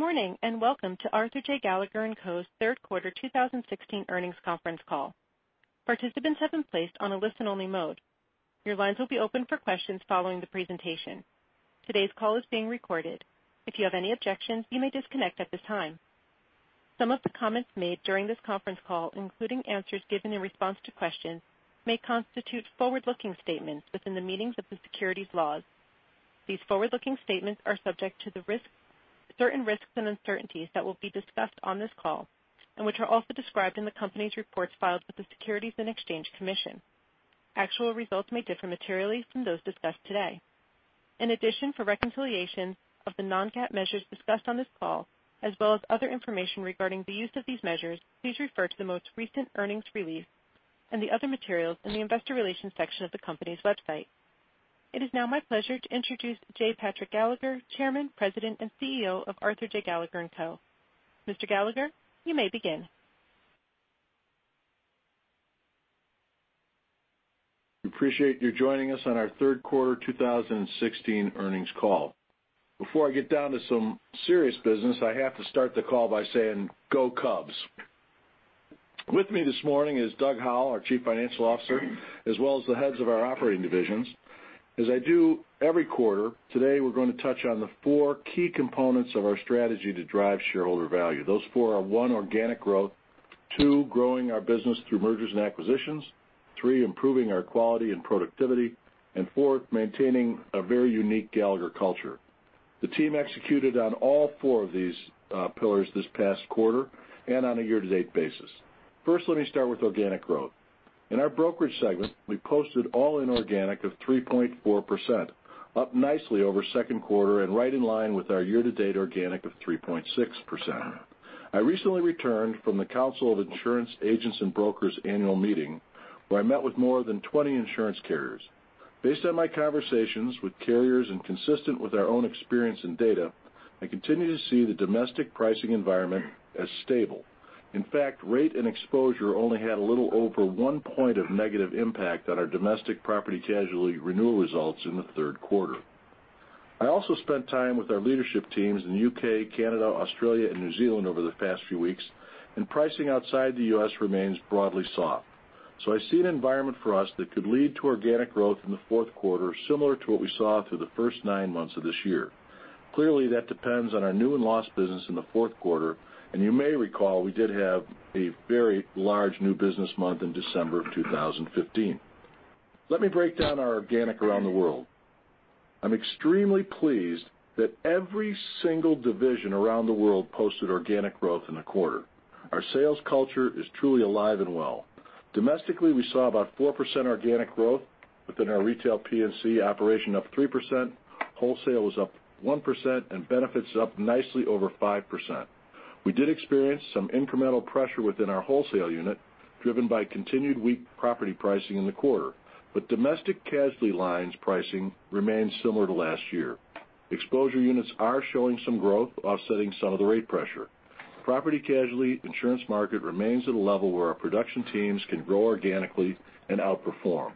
Good morning, and welcome to Arthur J. Gallagher & Co.'s third quarter 2016 earnings conference call. Participants have been placed on a listen-only mode. Your lines will be open for questions following the presentation. Today's call is being recorded. If you have any objections, you may disconnect at this time. Some of the comments made during this conference call, including answers given in response to questions, may constitute forward-looking statements within the meanings of the securities laws. These forward-looking statements are subject to certain risks and uncertainties that will be discussed on this call, and which are also described in the company's reports filed with the Securities and Exchange Commission. Actual results may differ materially from those discussed today. In addition, for reconciliation of the non-GAAP measures discussed on this call, as well as other information regarding the use of these measures, please refer to the most recent earnings release and the other materials in the investor relations section of the company's website. It is now my pleasure to introduce J. Patrick Gallagher, Chairman, President, and CEO of Arthur J. Gallagher & Co. Mr. Gallagher, you may begin. Appreciate you joining us on our third quarter 2016 earnings call. Before I get down to some serious business, I have to start the call by saying, go Cubs. With me this morning is Doug Howell, our Chief Financial Officer, as well as the heads of our operating divisions. As I do every quarter, today we're going to touch on the four key components of our strategy to drive shareholder value. Those four are, one, organic growth, two, growing our business through mergers and acquisitions, three, improving our quality and productivity, and four, maintaining a very unique Gallagher culture. The team executed on all four of these pillars this past quarter, and on a year-to-date basis. First, let me start with organic growth. In our brokerage segment, we posted all-in organic of 3.4%, up nicely over second quarter and right in line with our year-to-date organic of 3.6%. I recently returned from The Council of Insurance Agents & Brokers annual meeting, where I met with more than 20 insurance carriers. Based on my conversations with carriers, and consistent with our own experience and data, I continue to see the domestic pricing environment as stable. In fact, rate and exposure only had a little over one point of negative impact on our domestic property casualty renewal results in the third quarter. I also spent time with our leadership teams in the U.K., Canada, Australia, and New Zealand over the past few weeks, and pricing outside the U.S. remains broadly soft. So I see an environment for us that could lead to organic growth in the fourth quarter, similar to what we saw through the first nine months of this year. Clearly, that depends on our new and lost business in the fourth quarter, and you may recall, we did have a very large new business month in December of 2015. Let me break down our organic around the world. I'm extremely pleased that every single division around the world posted organic growth in the quarter. Our sales culture is truly alive and well. Domestically, we saw about 4% organic growth within our retail P&C operation, up 3%, wholesale was up 1%, and benefits up nicely over 5%. We did experience some incremental pressure within our wholesale unit, driven by continued weak property pricing in the quarter. Domestic casualty lines pricing remains similar to last year. Exposure units are showing some growth, offsetting some of the rate pressure. Property casualty insurance market remains at a level where our production teams can grow organically and outperform.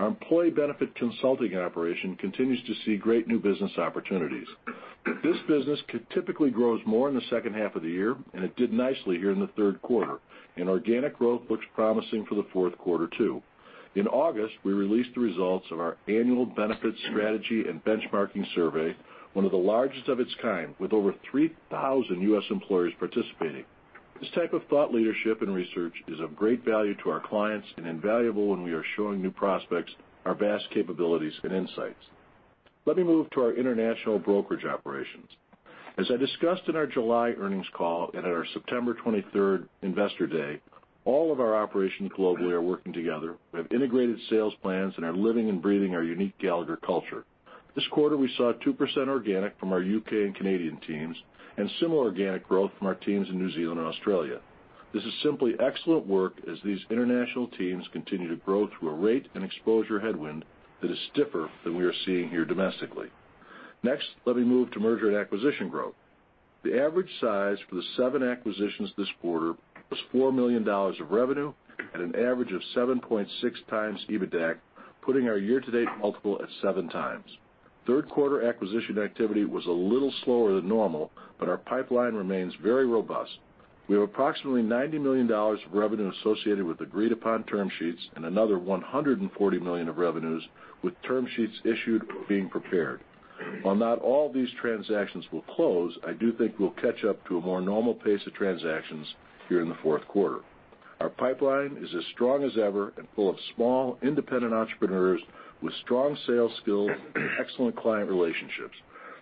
Our employee benefit consulting operation continues to see great new business opportunities. This business typically grows more in the second half of the year, and it did nicely here in the third quarter. Organic growth looks promising for the fourth quarter, too. In August, we released the results of our annual Benefit Strategy & Benchmarking Survey, one of the largest of its kind, with over 3,000 U.S. employers participating. This type of thought leadership and research is of great value to our clients and invaluable when we are showing new prospects our vast capabilities and insights. Let me move to our international brokerage operations. As I discussed in our July earnings call and at our September 23rd investor day, all of our operations globally are working together. We have integrated sales plans and are living and breathing our unique Gallagher culture. This quarter, we saw 2% organic from our U.K. and Canadian teams, and similar organic growth from our teams in New Zealand and Australia. This is simply excellent work as these international teams continue to grow through a rate and exposure headwind that is stiffer than we are seeing here domestically. Next, let me move to merger and acquisition growth. The average size for the seven acquisitions this quarter was $4 million of revenue at an average of 7.6x EBITDA, putting our year-to-date multiple at seven times. Third quarter acquisition activity was a little slower than normal, but our pipeline remains very robust. We have approximately $90 million of revenue associated with agreed-upon term sheets and another $140 million of revenues with term sheets issued being prepared. While not all these transactions will close, I do think we'll catch up to a more normal pace of transactions here in the fourth quarter. Our pipeline is as strong as ever and full of small, independent entrepreneurs with strong sales skills and excellent client relationships.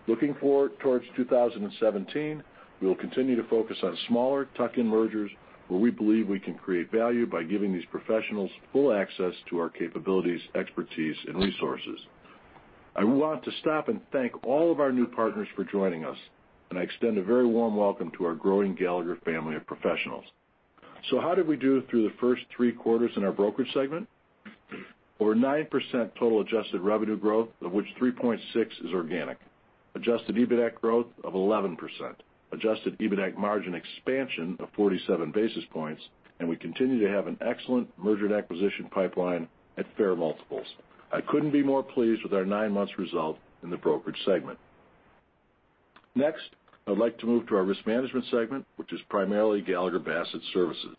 Looking forward towards 2017, we will continue to focus on smaller tuck-in mergers where we believe we can create value by giving these professionals full access to our capabilities, expertise, and resources. I want to stop and thank all of our new partners for joining us, and I extend a very warm welcome to our growing Gallagher family of professionals. How did we do through the first three quarters in our brokerage segment? Over 9% total adjusted revenue growth, of which 3.6% is organic. Adjusted EBITDA growth of 11%. Adjusted EBITDA margin expansion of 47 basis points. We continue to have an excellent merger and acquisition pipeline at fair multiples. I couldn't be more pleased with our nine-month result in the Brokerage segment. Next, I would like to move to our Risk Management segment, which is primarily Gallagher Bassett Services.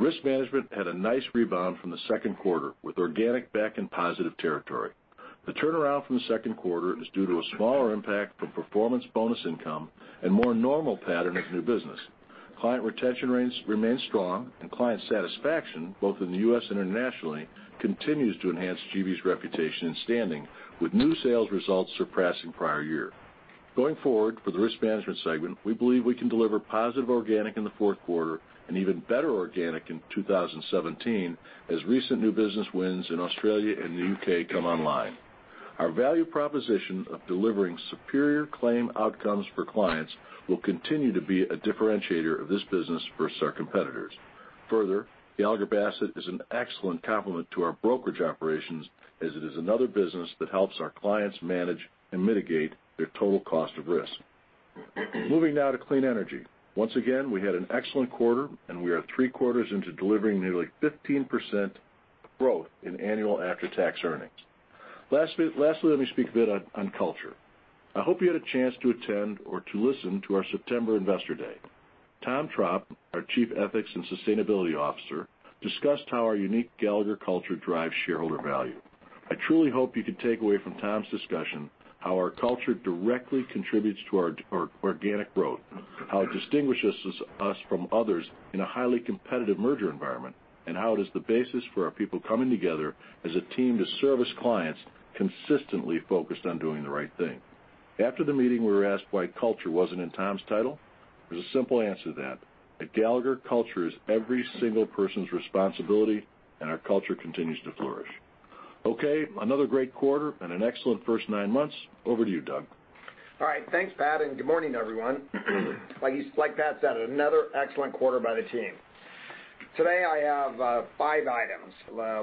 Risk Management had a nice rebound from the second quarter, with organic back in positive territory. The turnaround from the second quarter is due to a smaller impact from performance bonus income and more normal pattern of new business. Client retention rates remain strong, and client satisfaction, both in the U.S. and internationally, continues to enhance GB's reputation and standing, with new sales results surpassing prior year. Going forward for the Risk Management segment, we believe we can deliver positive organic in the fourth quarter and even better organic in 2017, as recent new business wins in Australia and the U.K. come online. Our value proposition of delivering superior claim outcomes for clients will continue to be a differentiator of this business versus our competitors. Further, Gallagher Bassett is an excellent complement to our brokerage operations, as it is another business that helps our clients manage and mitigate their total cost of risk. Moving now to Clean Energy. Once again, we had an excellent quarter. We are three quarters into delivering nearly 15% growth in annual after-tax earnings. Lastly, let me speak a bit on culture. I hope you had a chance to attend or to listen to our September Investor Day. Tom Trapp, our Chief Ethics and Sustainability Officer, discussed how our unique Gallagher culture drives shareholder value. I truly hope you could take away from Tom's discussion how our culture directly contributes to our organic growth, how it distinguishes us from others in a highly competitive merger environment, and how it is the basis for our people coming together as a team to service clients consistently focused on doing the right thing. After the meeting, we were asked why culture wasn't in Tom's title. There's a simple answer to that. At Gallagher, culture is every single person's responsibility. Our culture continues to flourish. Okay, another great quarter and an excellent first nine months. Over to you, Doug. All right. Thanks, Pat. Good morning, everyone. Like Pat said, another excellent quarter by the team. Today, I have five items.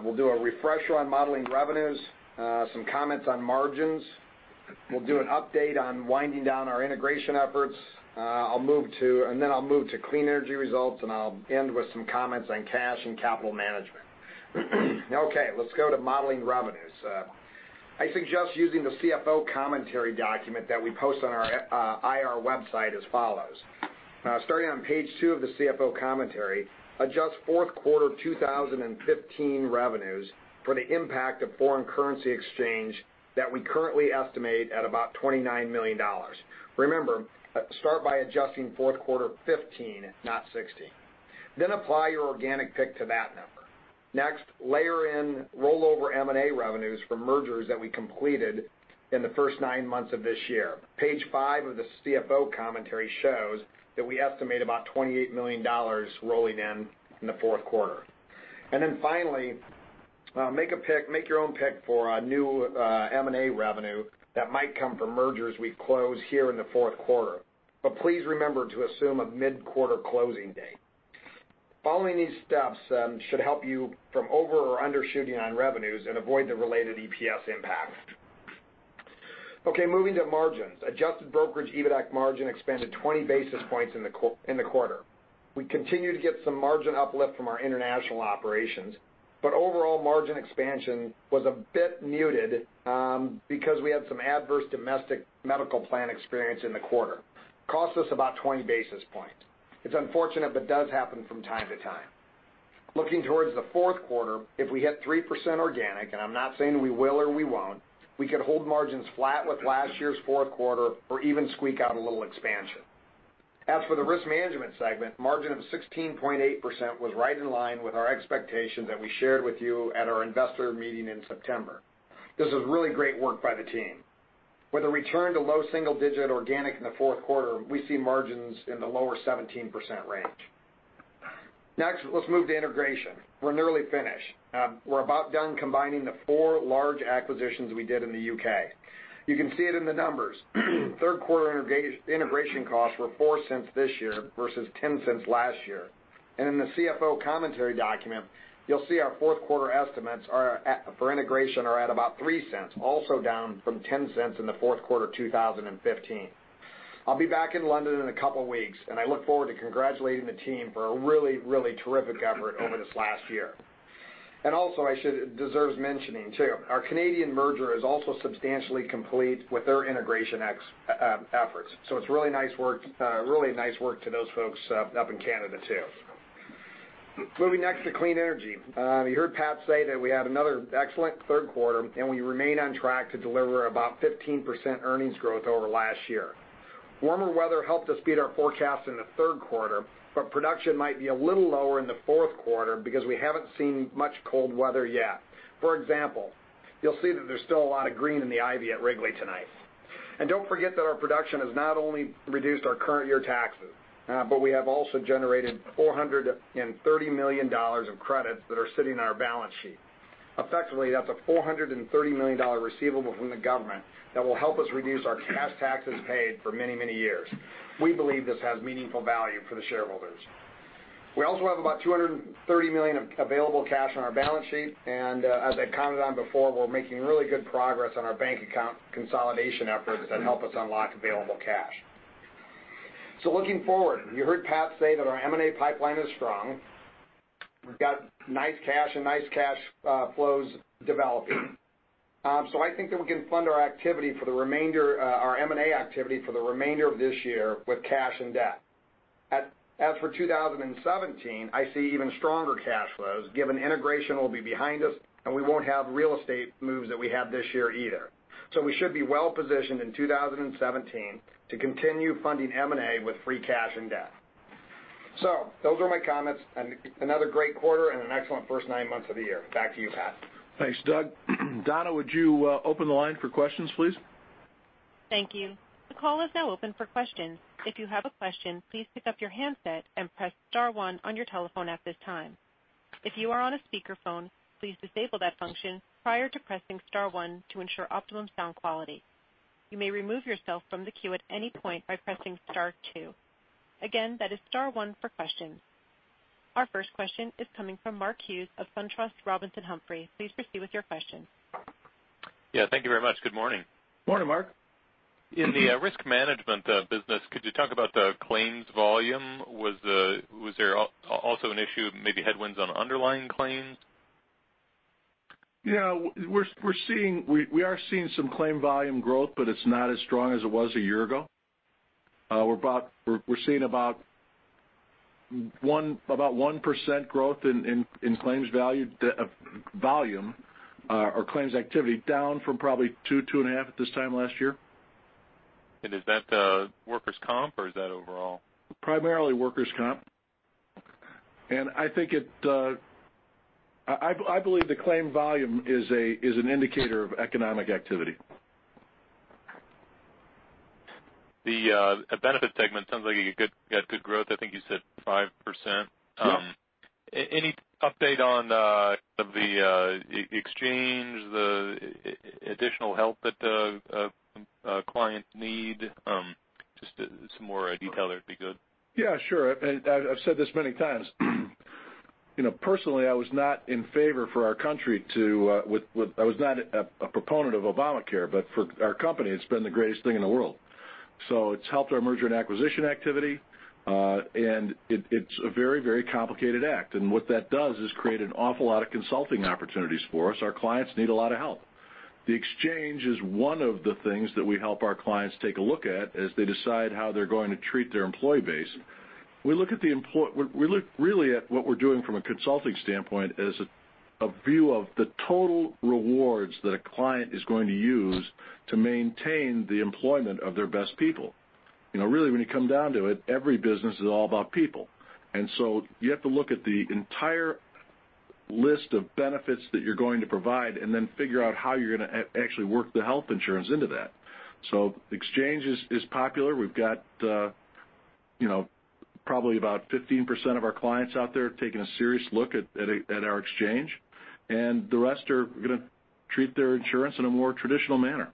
We'll do a refresher on modeling revenues, some comments on margins. We'll do an update on winding down our integration efforts. I'll move to Clean Energy results, and I'll end with some comments on cash and capital management. Okay, let's go to modeling revenues. I suggest using the CFO Commentary document that we post on our IR website as follows. Starting on page two of the CFO Commentary, adjust fourth quarter 2015 revenues for the impact of foreign currency exchange that we currently estimate at about $29 million. Remember, start by adjusting fourth quarter '15, not '16. Apply your organic pick to that number. Next, layer in rollover M&A revenues for mergers that we completed in the first nine months of this year. Page five of the CFO Commentary shows that we estimate about $28 million rolling in in the fourth quarter. Finally, make your own pick for new M&A revenue that might come from mergers we close here in the fourth quarter. Please remember to assume a mid-quarter closing date. Following these steps should help you from over or undershooting on revenues and avoid the related EPS impact. Moving to margins. Adjusted brokerage EBITAC margin expanded 20 basis points in the quarter. We continue to get some margin uplift from our international operations, but overall margin expansion was a bit muted because we had some adverse domestic medical plan experience in the quarter. Cost us about 20 basis points. It is unfortunate, but does happen from time to time. Looking towards the fourth quarter, if we hit 3% organic, and I am not saying we will or we will not, we could hold margins flat with last year's fourth quarter or even squeak out a little expansion. As for the Risk Management segment, margin of 16.8% was right in line with our expectation that we shared with you at our investor meeting in September. This was really great work by the team. With a return to low single-digit organic in the fourth quarter, we see margins in the lower 17% range. Next, let us move to integration. We are nearly finished. We are about done combining the four large acquisitions we did in the U.K. You can see it in the numbers. Third quarter integration costs were $0.04 this year versus $0.10 last year. In the CFO Commentary document, you will see our fourth quarter estimates for integration are at about $0.03, also down from $0.10 in the fourth quarter 2015. I will be back in London in a couple of weeks, and I look forward to congratulating the team for a really, really terrific effort over this last year. Also, it deserves mentioning, too. Our Canadian merger is also substantially complete with their integration efforts. It is really nice work to those folks up in Canada, too. Moving next to Clean Energy. You heard Pat say that we had another excellent third quarter, and we remain on track to deliver about 15% earnings growth over last year. Warmer weather helped us beat our forecast in the third quarter. Production might be a little lower in the fourth quarter because we have not seen much cold weather yet. For example, you will see that there is still a lot of green in the ivy at Wrigley tonight. Do not forget that our production has not only reduced our current year taxes, but we have also generated $430 million of credits that are sitting on our balance sheet. Effectively, that is a $430 million receivable from the government that will help us reduce our cash taxes paid for many, many years. We believe this has meaningful value for the shareholders. We also have about $230 million of available cash on our balance sheet. As I have commented on before, we are making really good progress on our bank account consolidation efforts that help us unlock available cash. Looking forward, you heard Pat say that our M&A pipeline is strong. We have got nice cash and nice cash flows developing. I think that we can fund our M&A activity for the remainder of this year with cash and debt. As for 2017, I see even stronger cash flows given integration will be behind us, and we won't have real estate moves that we have this year either. We should be well-positioned in 2017 to continue funding M&A with free cash and debt. Those are my comments. Another great quarter and an excellent first nine months of the year. Back to you, Pat. Thanks, Doug. Donna, would you open the line for questions, please? Thank you. The call is now open for questions. If you have a question, please pick up your handset and press star one on your telephone at this time. If you are on a speakerphone, please disable that function prior to pressing star one to ensure optimum sound quality. You may remove yourself from the queue at any point by pressing star two. Again, that is star one for questions. Our first question is coming from Mark Hughes of SunTrust Robinson Humphrey. Please proceed with your question. Yeah. Thank you very much. Good morning. Morning, Mark. In the risk management business, could you talk about the claims volume? Was there also an issue of maybe headwinds on underlying claims? Yeah. We are seeing some claim volume growth, but it's not as strong as it was a year ago. We're seeing about 1% growth in claims volume or claims activity down from probably 2.5% at this time last year. Is that the workers' comp or is that overall? Primarily workers' comp. I believe the claim volume is an indicator of economic activity. The benefit segment sounds like you got good growth. I think you said 5%. Yeah. Any update on the exchange, the additional help that the client need? Just some more detail there would be good. Yeah, sure. I've said this many times. Personally, I was not in favor for our country. I was not a proponent of Obamacare, but for our company, it's been the greatest thing in the world. It's helped our merger and acquisition activity. It's a very complicated act, and what that does is create an awful lot of consulting opportunities for us. Our clients need a lot of help. The exchange is one of the things that we help our clients take a look at as they decide how they're going to treat their employee base. Really, what we're doing from a consulting standpoint is a view of the total rewards that a client is going to use to maintain the employment of their best people. Really, when you come down to it, every business is all about people. You have to look at the entire list of benefits that you're going to provide and then figure out how you're going to actually work the health insurance into that. Exchange is popular. We've got probably about 15% of our clients out there taking a serious look at our exchange, and the rest are going to treat their insurance in a more traditional manner.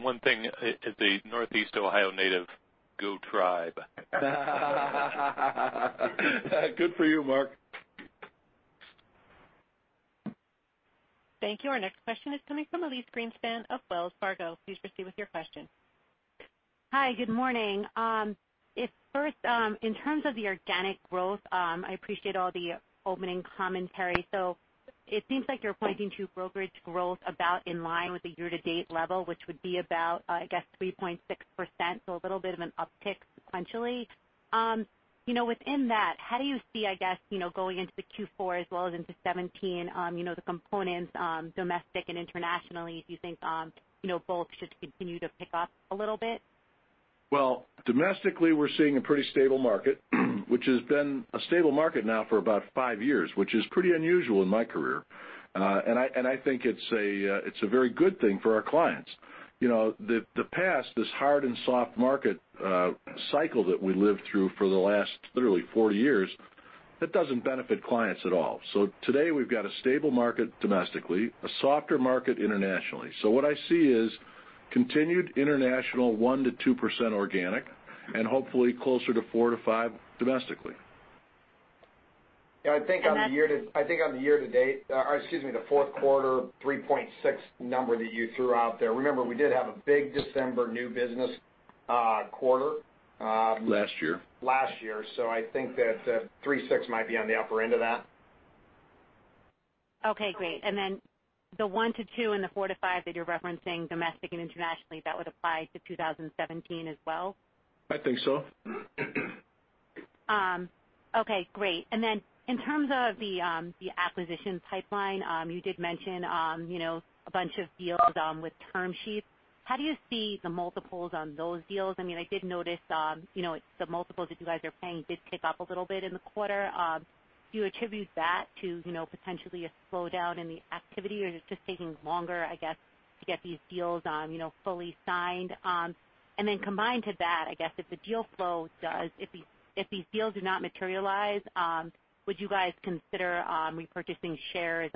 One thing as a Northeast Ohio native, go Tribe. Good for you, Mark. Thank you. Our next question is coming from Elyse Greenspan of Wells Fargo. Please proceed with your question. Hi. Good morning. First, in terms of the organic growth, I appreciate all the opening commentary. It seems like you're pointing to brokerage growth about in line with the year-to-date level, which would be about, I guess, 3.6%, a little bit of an uptick sequentially. Within that, how do you see, I guess, going into the Q4 as well as into 2017, the components domestic and internationally, do you think both should continue to pick up a little bit? Well, domestically, we're seeing a pretty stable market, which has been a stable market now for about five years, which is pretty unusual in my career. I think it's a very good thing for our clients. The past, this hard and soft market cycle that we lived through for the last literally 40 years, that doesn't benefit clients at all. Today, we've got a stable market domestically, a softer market internationally. What I see is continued international 1%-2% organic, and hopefully closer to 4%-5% domestically. Yeah, I think on the year-to-date, excuse me, the fourth quarter 3.6% number that you threw out there, remember, we did have a big December new business quarter. Last year. Last year. I think that 3.6% might be on the upper end of that. Okay, great. The 1% to 2% and the 4% to 5% that you're referencing domestic and internationally, that would apply to 2017 as well? I think so. Okay, great. In terms of the acquisition pipeline, you did mention a bunch of deals with term sheets. How do you see the multiples on those deals? I did notice the multiples that you guys are paying did tick up a little bit in the quarter. Do you attribute that to potentially a slowdown in the activity, or is it just taking longer, I guess, to get these deals fully signed? Combined to that, I guess, if these deals do not materialize, would you guys consider repurchasing shares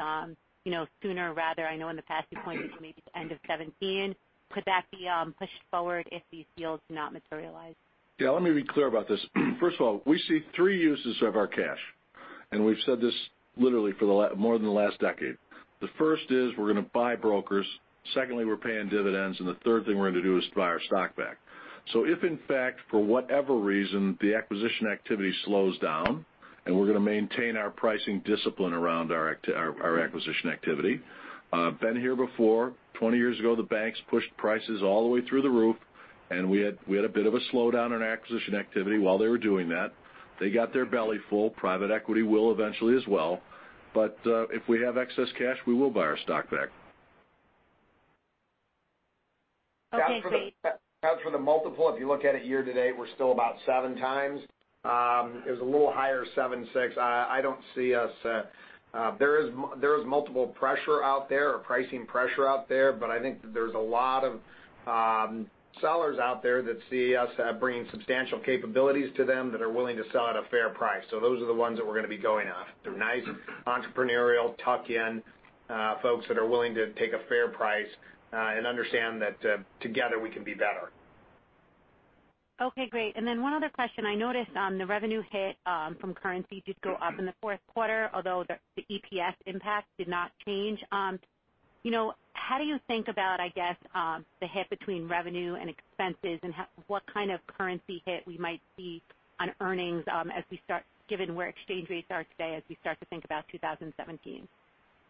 sooner rather, I know in the past you pointed to maybe the end of 2017. Could that be pushed forward if these deals do not materialize? Yeah, let me be clear about this. First of all, we see three uses of our cash. We've said this literally for more than the last decade. The first is we're going to buy brokers. Secondly, we're paying dividends, and the third thing we're going to do is buy our stock back. If in fact, for whatever reason, the acquisition activity slows down and we're going to maintain our pricing discipline around our acquisition activity, been here before. 20 years ago, the banks pushed prices all the way through the roof, and we had a bit of a slowdown in acquisition activity while they were doing that. They got their belly full. Private equity will eventually as well. If we have excess cash, we will buy our stock back. Okay, great. As for the multiple, if you look at it year-to-date, we're still about 7 times. It was a little higher, 7.6x. There is multiple pressure out there or pricing pressure out there, but I think that there's a lot of sellers out there that see us bringing substantial capabilities to them that are willing to sell at a fair price. Those are the ones that we're going to be going after. Nice entrepreneurial tuck-in folks that are willing to take a fair price, and understand that together we can be better. Okay, great. One other question. I noticed on the revenue hit from currency did go up in the fourth quarter, although the EPS impact did not change. How do you think about, I guess, the hit between revenue and expenses and what kind of currency hit we might see on earnings given where exchange rates are today as we start to think about 2017?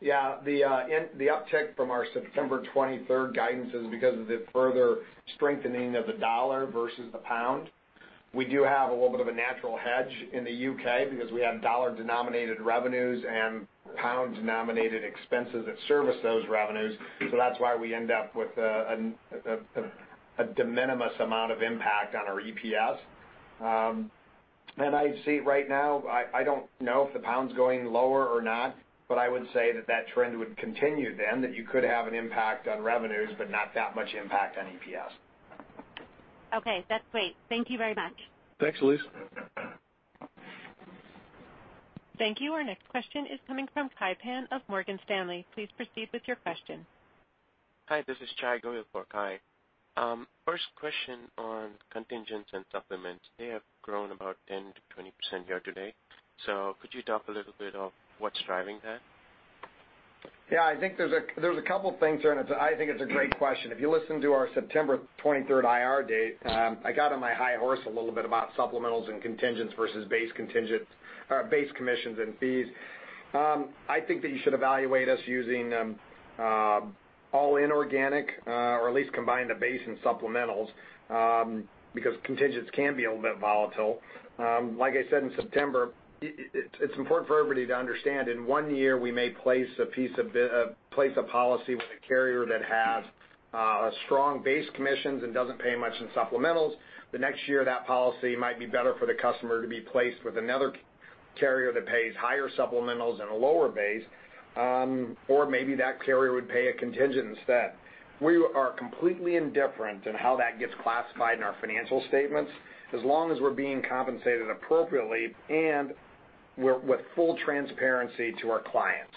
Yeah. The uptick from our September 23rd guidance is because of the further strengthening of the dollar versus the pound. We do have a little bit of a natural hedge in the U.K. because we have dollar-denominated revenues and pound-denominated expenses that service those revenues. That's why we end up with a de minimis amount of impact on our EPS. I see right now, I don't know if the pound's going lower or not, but I would say that trend would continue then, that you could have an impact on revenues, but not that much impact on EPS. Okay. That's great. Thank you very much. Thanks, Elyse. Thank you. Our next question is coming from Kai Pan of Morgan Stanley. Please proceed with your question. Hi, this is Jay Goyal for Kai. First question on contingents and supplements. They have grown about 10%-20% year to date. Could you talk a little bit of what's driving that? Yeah, I think there's a couple things there, and I think it's a great question. If you listen to our September 23rd IR day, I got on my high horse a little bit about supplementals and contingents versus base commissions and fees. I think that you should evaluate us using all in organic, or at least combine the base and supplementals, because contingents can be a little bit volatile. Like I said in September, it's important for everybody to understand in one year we may place a policy with a carrier that has strong base commissions and doesn't pay much in supplementals. The next year, that policy might be better for the customer to be placed with another carrier that pays higher supplementals and a lower base. Maybe that carrier would pay a contingent instead. We are completely indifferent in how that gets classified in our financial statements as long as we're being compensated appropriately and with full transparency to our clients.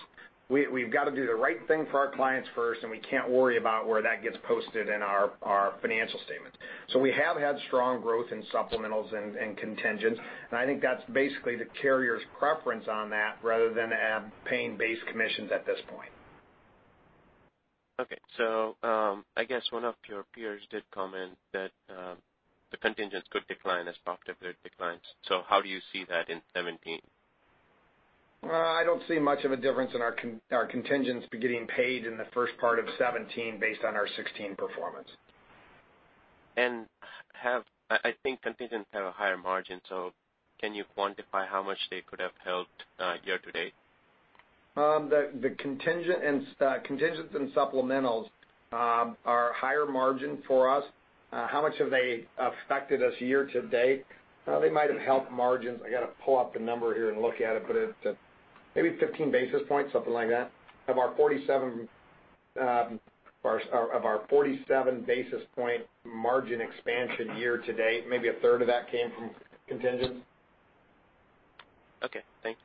We've got to do the right thing for our clients first, and we can't worry about where that gets posted in our financial statements. We have had strong growth in supplementals and contingents, and I think that's basically the carrier's preference on that rather than paying base commissions at this point. Okay. I guess one of your peers did comment that the contingents could decline as profitability declines. How do you see that in 2017? I don't see much of a difference in our contingents getting paid in the first part of 2017 based on our 2016 performance. I think contingents have a higher margin. Can you quantify how much they could have helped year-to-date? The contingents and supplementals are higher margin for us. How much have they affected us year-to-date? They might have helped margins. I got to pull up the number here and look at it, but maybe 15 basis points, something like that. Of our 47 basis point margin expansion year-to-date, maybe a third of that came from contingents. Okay, thanks.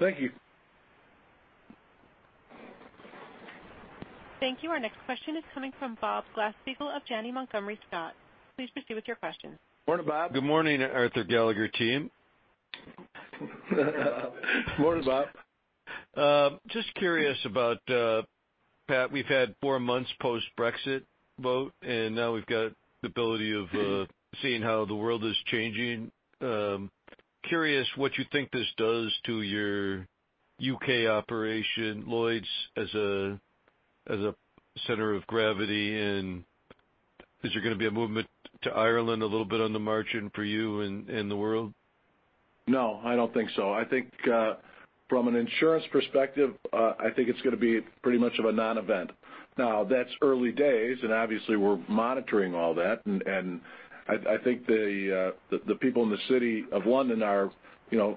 Thank you. Thank you. Our next question is coming from Bob Glasspiegel of Janney Montgomery Scott. Please proceed with your question. Morning, Bob. Good morning, Arthur Gallagher team. Morning, Bob. Curious about, Pat, we've had 4 months post-Brexit vote, now we've got the ability of seeing how the world is changing. Curious what you think this does to your U.K. operation, Lloyd's, as a center of gravity, is there going to be a movement to Ireland a little bit on the margin for you in the world? I don't think so. I think from an insurance perspective, I think it's going to be pretty much of a non-event. That's early days, obviously we're monitoring all that, I think the people in the City of London are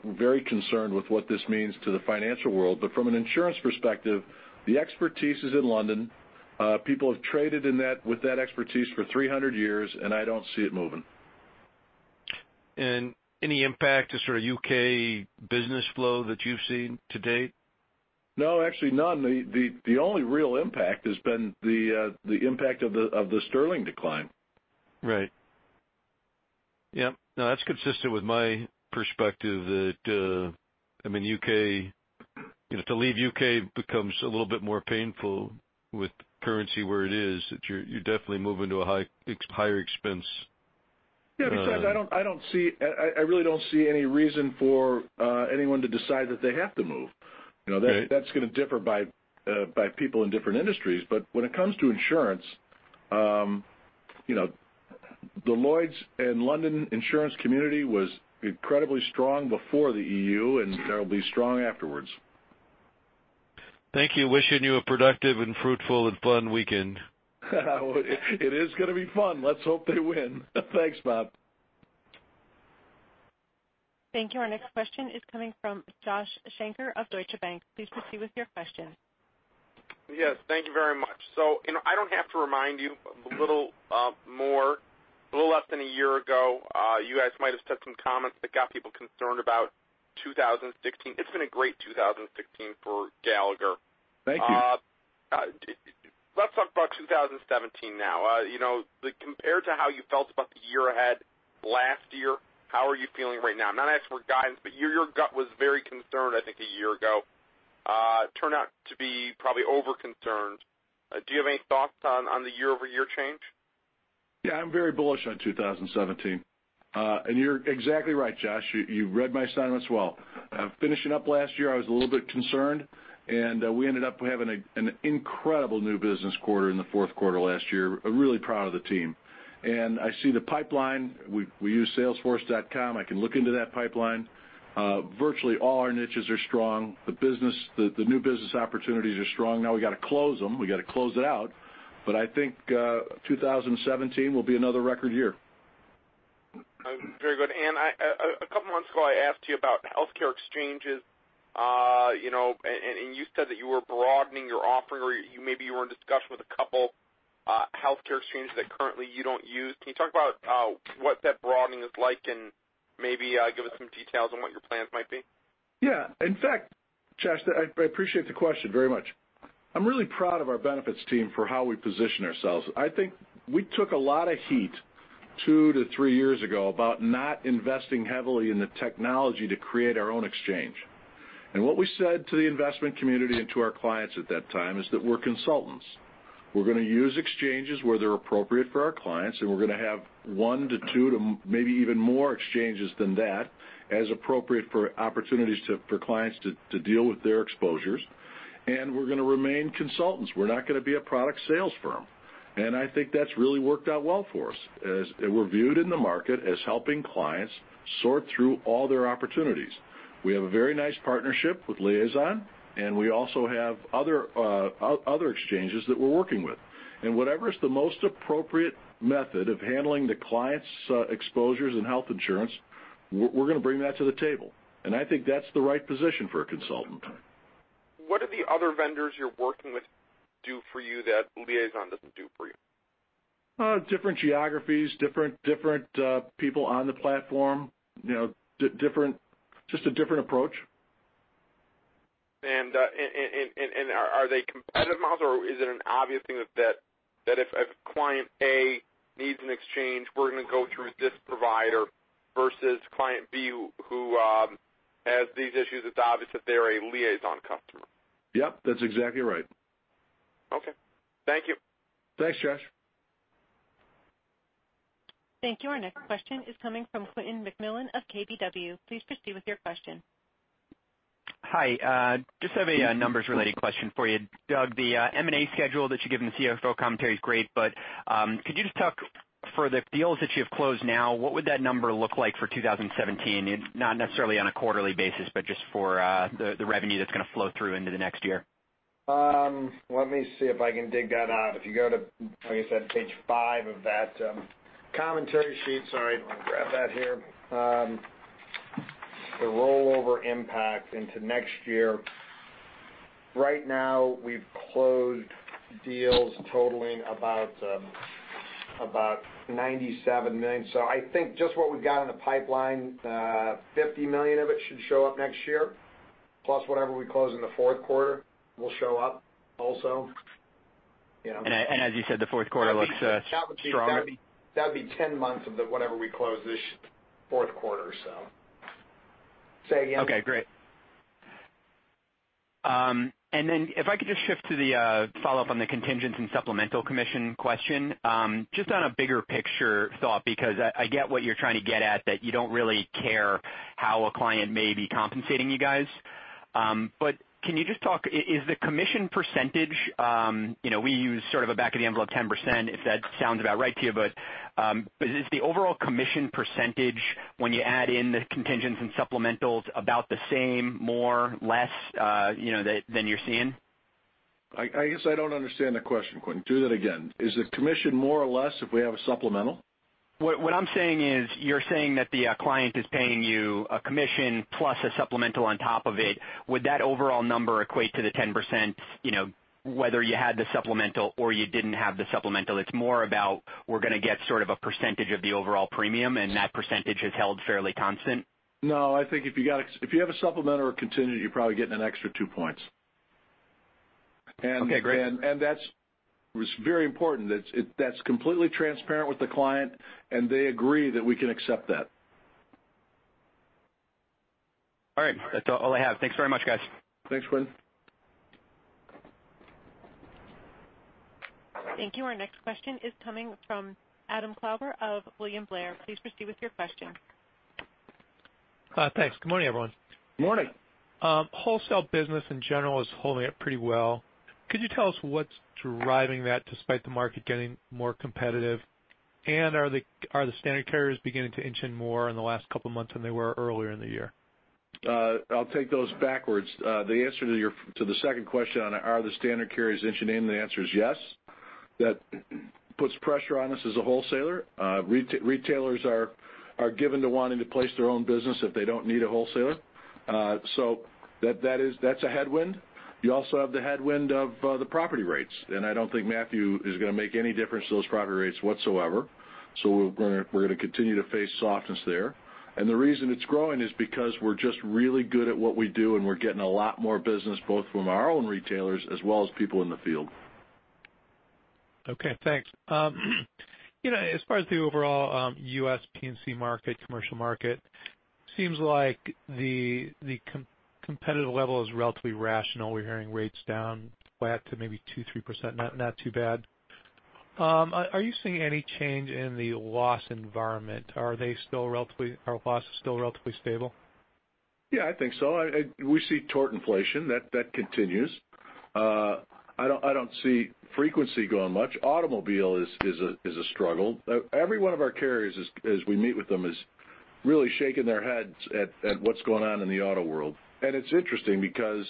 very concerned with what this means to the financial world. From an insurance perspective, the expertise is in London. People have traded with that expertise for 300 years, I don't see it moving. Any impact to sort of U.K. business flow that you've seen to date? No, actually none. The only real impact has been the impact of the sterling decline. Right. Yep. No, that's consistent with my perspective. To leave U.K. becomes a little bit more painful with currency where it is, that you're definitely moving to a higher expense. Yeah. Besides, I really don't see any reason for anyone to decide that they have to move. Right. That's going to differ by people in different industries. When it comes to insurance, the Lloyd's and London insurance community was incredibly strong before the EU, and they'll be strong afterwards. Thank you. Wishing you a productive and fruitful and fun weekend. It is going to be fun. Let's hope they win. Thanks, Bob. Thank you. Our next question is coming from Joshua Shanker of Deutsche Bank. Please proceed with your question. Yes. Thank you very much. I don't have to remind you, a little less than a year ago, you guys might have said some comments that got people concerned about 2016. It's been a great 2016 for Gallagher. Thank you. Let's talk about 2017 now. Compared to how you felt about the year ahead last year, how are you feeling right now? I'm not asking for guidance, but your gut was very concerned, I think, a year ago. Turned out to be probably over-concerned. Do you have any thoughts on the year-over-year change? Yeah, I'm very bullish on 2017. You're exactly right, Josh. You read my silence well. Finishing up last year, I was a little bit concerned, and we ended up having an incredible new business quarter in the fourth quarter last year. I'm really proud of the team. I see the pipeline. We use Salesforce.com. I can look into that pipeline. Virtually all our niches are strong. The new business opportunities are strong. Now we got to close them. We got to close it out. I think 2017 will be another record year. Very good. A couple of months ago, I asked you about healthcare exchanges, and you said that you were broadening your offering, or maybe you were in discussion with a couple healthcare exchanges that currently you don't use. Can you talk about what that broadening is like and maybe give us some details on what your plans might be? Yeah. In fact, Josh, I appreciate the question very much. I'm really proud of our benefits team for how we position ourselves. I think we took a lot of heat two to three years ago about not investing heavily in the technology to create our own exchange. What we said to the investment community and to our clients at that time is that we're consultants. We're going to use exchanges where they're appropriate for our clients, and we're going to have one to two to maybe even more exchanges than that as appropriate for opportunities for clients to deal with their exposures. We're going to remain consultants. We're not going to be a product sales firm. I think that's really worked out well for us, as we're viewed in the market as helping clients sort through all their opportunities. We have a very nice partnership with Liaison, and we also have other exchanges that we're working with. Whatever is the most appropriate method of handling the client's exposures and health insurance, we're going to bring that to the table. I think that's the right position for a consultant. What do the other vendors you're working with do for you that Liaison doesn't do for you? Different geographies, different people on the platform. Just a different approach. Are they competitive models, or is it an obvious thing that if client A needs an exchange, we're going to go through this provider versus client B who has these issues, it's obvious that they're a Liaison customer? Yep, that's exactly right. Okay. Thank you. Thanks, Josh. Thank you. Our next question is coming from Quentin McMillan of KBW. Please proceed with your question. Hi. Just have a numbers related question for you, Doug. The M&A schedule that you give in the CFO Commentary is great. Could you just talk for the deals that you have closed now, what would that number look like for 2017? Not necessarily on a quarterly basis, just for the revenue that's going to flow through into the next year. Let me see if I can dig that out. If you go to, like I said, page five of that commentary sheet. Sorry, let me grab that here. The rollover impact into next year. Right now, we've closed deals totaling about $97 million. I think just what we've got in the pipeline, $50 million of it should show up next year, plus whatever we close in the fourth quarter will show up also. As you said, the fourth quarter looks strong. That would be 10 months of whatever we close this fourth quarter. Say again? Okay, great. If I could just shift to the follow-up on the contingents and supplemental commission question. Just on a bigger picture thought, because I get what you're trying to get at, that you don't really care how a client may be compensating you guys. Can you just talk, is the commission percentage? We use sort of a back of the envelope 10%, if that sounds about right to you. Is the overall commission percentage, when you add in the contingents and supplementals, about the same, more, less, than you're seeing? I guess I don't understand the question, Quentin. Do that again. Is the commission more or less if we have a supplemental? What I'm saying is, you're saying that the client is paying you a commission plus a supplemental on top of it. Would that overall number equate to the 10%, whether you had the supplemental or you didn't have the supplemental? It's more about we're going to get sort of a percentage of the overall premium, and that percentage has held fairly constant? No, I think if you have a supplemental or a contingent, you're probably getting an extra two points. Okay, great. That's very important. That's completely transparent with the client, and they agree that we can accept that. All right. That's all I have. Thanks very much, guys. Thanks, Quinn. Thank you. Our next question is coming from Adam Klauber of William Blair. Please proceed with your question. Hi, thanks. Good morning, everyone. Morning. Wholesale business in general is holding up pretty well. Could you tell us what's driving that despite the market getting more competitive? Are the standard carriers beginning to inch in more in the last couple of months than they were earlier in the year? I'll take those backwards. The answer to the second question on are the standard carriers inching in, the answer is yes. That puts pressure on us as a wholesaler. Retailers are given to wanting to place their own business if they don't need a wholesaler. That's a headwind. You also have the headwind of the property rates, I don't think Hurricane Matthew is going to make any difference to those property rates whatsoever. We're going to continue to face softness there. The reason it's growing is because we're just really good at what we do, and we're getting a lot more business both from our own retailers as well as people in the field. Okay, thanks. As far as the overall U.S. P&C market, commercial market, seems like the competitive level is relatively rational. We're hearing rates down flat to maybe 2%-3%, not too bad. Are you seeing any change in the loss environment? Are losses still relatively stable? Yeah, I think so. We see tort inflation. That continues. I don't see frequency growing much. Automobile is a struggle. Every one of our carriers, as we meet with them, is really shaking their heads at what's going on in the auto world. It's interesting because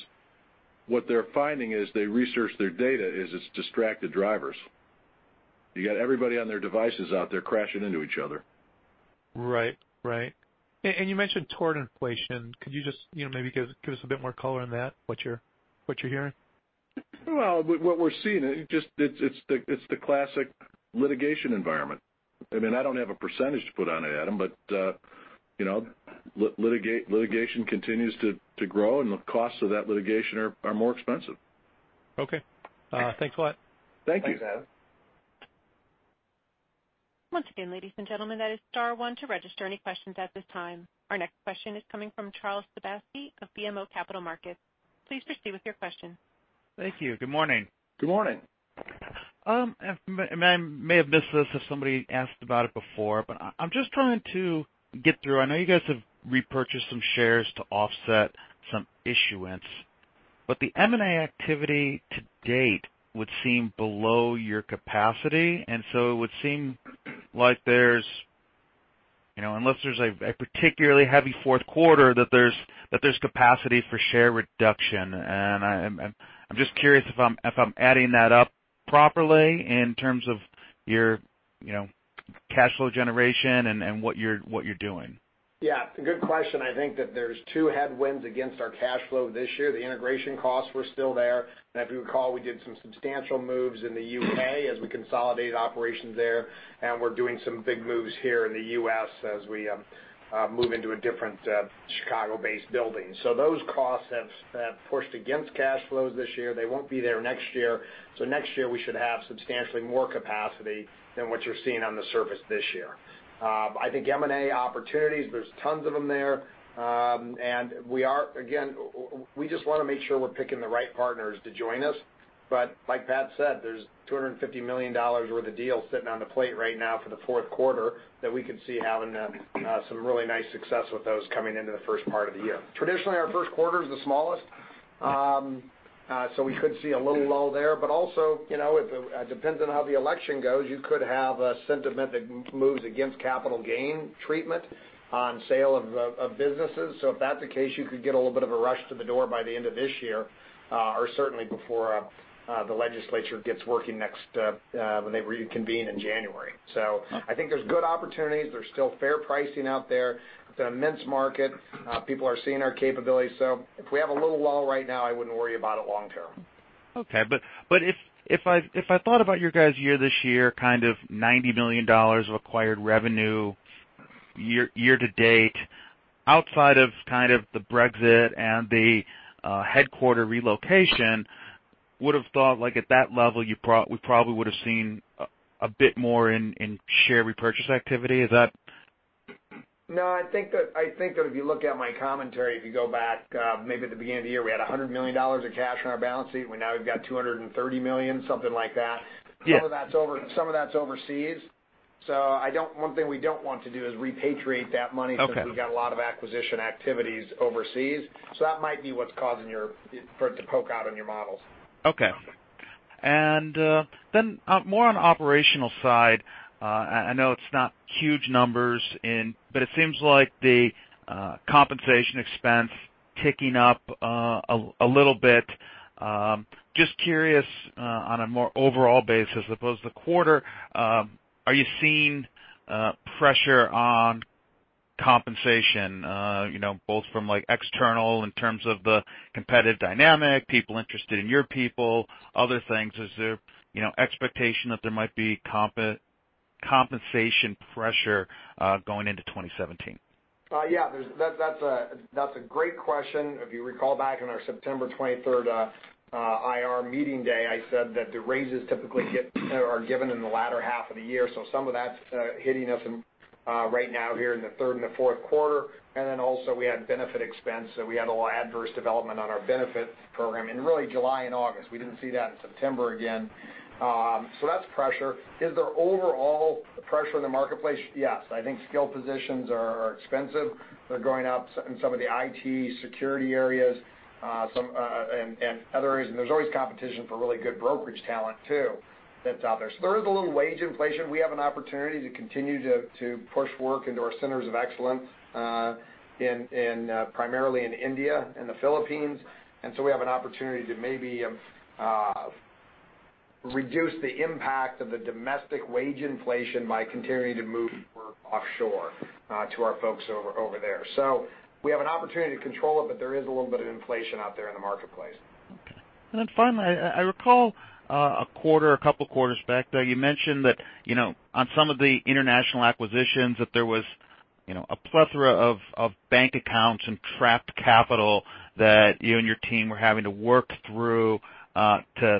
what they're finding as they research their data is it's distracted drivers. You got everybody on their devices out there crashing into each other. Right. You mentioned tort inflation. Could you just maybe give us a bit more color on that, what you're hearing? Well, what we're seeing, it's the classic litigation environment. I don't have a percentage to put on it, Adam, but litigation continues to grow, and the costs of that litigation are more expensive. Okay. Thanks a lot. Thank you. Thanks, Adam. Once again, ladies and gentlemen, that is star one to register any questions at this time. Our next question is coming from Charles Sebaski of BMO Capital Markets. Please proceed with your question. Thank you. Good morning. Good morning. I may have missed this if somebody asked about it before, but I'm just trying to get through. I know you guys have repurchased some shares to offset some issuance, but the M&A activity to date would seem below your capacity, and so it would seem like there's, unless there's a particularly heavy fourth quarter, that there's capacity for share reduction. I'm just curious if I'm adding that up properly in terms of your cash flow generation and what you're doing. Good question. I think that there's two headwinds against our cash flow this year. The integration costs were still there. If you recall, we did some substantial moves in the U.K. as we consolidated operations there, and we're doing some big moves here in the U.S. as we move into a different Chicago-based building. Those costs have pushed against cash flows this year. They won't be there next year. Next year, we should have substantially more capacity than what you're seeing on the surface this year. M&A opportunities, there's tons of them there. We are, again, we just want to make sure we're picking the right partners to join us. Like Pat said, there's $250 million worth of deals sitting on the plate right now for the fourth quarter that we could see having some really nice success with those coming into the first part of the year. Traditionally, our first quarter is the smallest, we could see a little lull there, also, it depends on how the election goes. You could have a sentiment that moves against capital gain treatment on sale of businesses. If that's the case, you could get a little bit of a rush to the door by the end of this year, or certainly before the legislature gets working next, when they reconvene in January. I think there's good opportunities. There's still fair pricing out there. It's an immense market. People are seeing our capabilities. If we have a little lull right now, I wouldn't worry about it long term. Okay. If I thought about your guys' year this year, kind of $90 million of acquired revenue year to date, outside of kind of the Brexit and the headquarter relocation, would've thought like at that level, we probably would have seen a bit more in share repurchase activity. Is that I think that if you look at my commentary, if you go back maybe at the beginning of the year, we had $100 million of cash on our balance sheet. We now have got $230 million, something like that. Yeah. Some of that's overseas. One thing we don't want to do is repatriate that money Okay since we've got a lot of acquisition activities overseas. That might be what's causing for it to poke out on your models. Okay. More on the operational side. I know it's not huge numbers, but it seems like the compensation expense ticking up a little bit. Just curious, on a more overall basis as opposed to the quarter, are you seeing pressure on compensation both from external in terms of the competitive dynamic, people interested in your people, other things? Is there expectation that there might be compensation pressure going into 2017? Yeah. That's a great question. If you recall back on our September 23rd IR meeting day, I said that the raises typically are given in the latter half of the year, some of that's hitting us right now here in the third and the fourth quarter. We had benefit expense, we had a little adverse development on our benefit program in really July and August. We didn't see that in September again. That's pressure. Is there overall pressure in the marketplace? Yes. I think skilled positions are expensive. They're going up in some of the IT security areas, and other areas. There's always competition for really good brokerage talent too that's out there. There is a little wage inflation. We have an opportunity to continue to push work into our centers of excellence primarily in India and the Philippines. We have an opportunity to maybe reduce the impact of the domestic wage inflation by continuing to move work offshore to our folks over there. We have an opportunity to control it, but there is a little bit of inflation out there in the marketplace. Okay. Finally, I recall a quarter, a couple quarters back there, you mentioned that on some of the international acquisitions, that there was a plethora of bank accounts and trapped capital that you and your team were having to work through to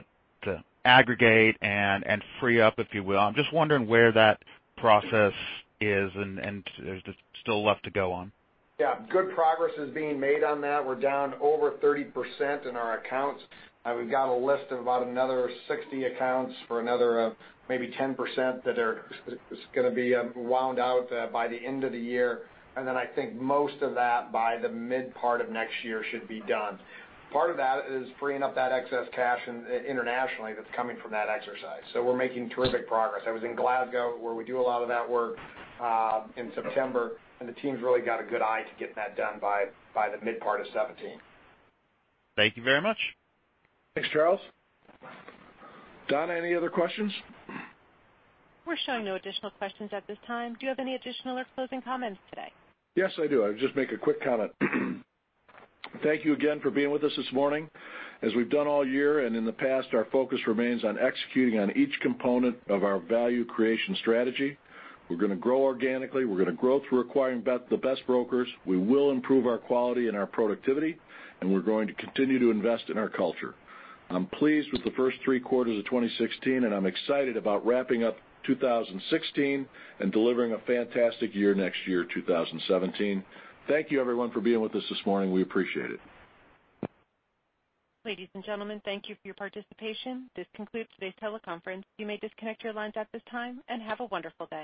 aggregate and free up, if you will. I'm just wondering where that process is, and is there still left to go on? Yeah. Good progress is being made on that. We're down over 30% in our accounts. We've got a list of about another 60 accounts for another maybe 10% that is going to be wound out by the end of the year. I think most of that by the mid part of next year should be done. Part of that is freeing up that excess cash internationally that's coming from that exercise. We're making terrific progress. I was in Glasgow, where we do a lot of that work, in September, and the team's really got a good eye to get that done by the mid part of 2017. Thank you very much. Thanks, Charles. Donna, any other questions? We're showing no additional questions at this time. Do you have any additional or closing comments today? Yes, I do. I would just make a quick comment. Thank you again for being with us this morning. As we've done all year and in the past, our focus remains on executing on each component of our value creation strategy. We're going to grow organically. We're going to grow through acquiring the best brokers. We will improve our quality and our productivity, and we're going to continue to invest in our culture. I'm pleased with the first three quarters of 2016, and I'm excited about wrapping up 2016 and delivering a fantastic year next year, 2017. Thank you, everyone, for being with us this morning. We appreciate it. Ladies and gentlemen, thank you for your participation. This concludes today's teleconference. You may disconnect your lines at this time, and have a wonderful day.